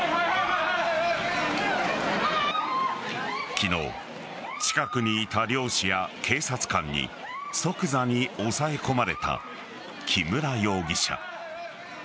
昨日近くにいた漁師や警察官に即座に押さえ込まれた木村容疑者。